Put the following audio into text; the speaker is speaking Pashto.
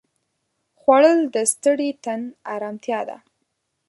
خوړل د ستړي تن ارامتیا ده